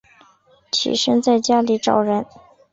起身在家里找人